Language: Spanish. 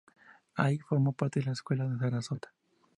Allí, formó parte de la escuela de Sarasota.